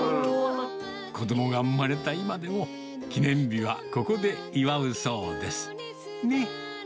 子どもが生まれた今でも、記念日はここで祝うそうです。ね？